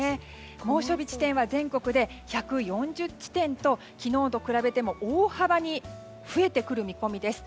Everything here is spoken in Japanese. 猛暑日地点は全国で１４０地点と昨日と比べても大幅に増えてくる見込みです。